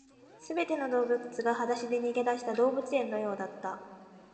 全ての動物が裸足で逃げ出した動物園のようだった